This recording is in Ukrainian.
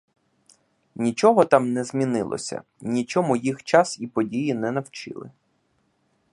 Нічого там не змінилося, нічому їх час і події не навчили.